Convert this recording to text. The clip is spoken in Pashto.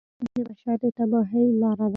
جګړه د بشر د تباهۍ لاره ده